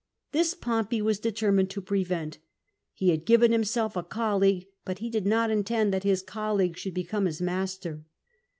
This Pompey was determined to prevent ; he had given himself a colleague, but he did not intend that his colleague should become his master.